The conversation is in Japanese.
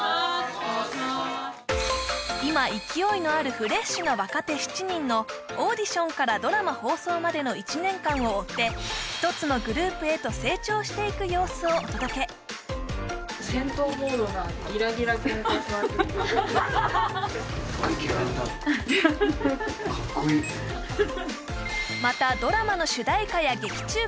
今勢いのあるフレッシュな若手７人のオーディションからドラマ放送までの１年間を追って一つのグループへと成長していく様子をお届けははは止まったからやんほらほら壊れたときに出てくるやつよ